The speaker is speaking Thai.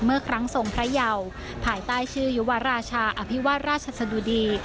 เมื่อครั้งทรงพระเยาภายใต้ชื่อยุวราชาอภิวาสราชสะดุดี